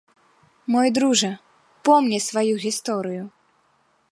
Мой дружа, помні сваю гісторыю.